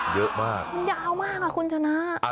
เยอะมากยาวมากคุณชนะ